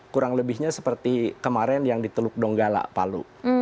kurang lebihnya seperti kemarin yang di teluk donggala palu